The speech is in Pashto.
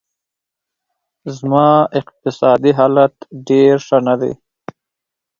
زما اقتصادي حالت ډېر ښه نه دی